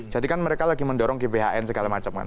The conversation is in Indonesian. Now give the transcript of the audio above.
jadi kan mereka lagi mendorong gbhn segala macam kan